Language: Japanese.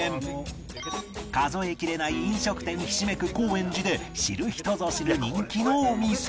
数えきれない飲食店ひしめく高円寺で知る人ぞ知る人気のお店